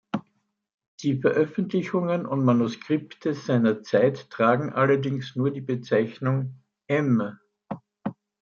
Die Veröffentlichungen und Manuskripte seiner Zeit tragen allerdings nur die Bezeichnung "M.